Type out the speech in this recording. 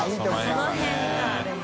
その辺かでも。